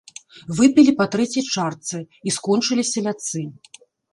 Выпілі па трэцяй чарцы і скончылі селядцы.